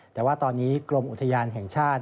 แต่ว่าตอนนี้กรมอุทยานแห่งชาติ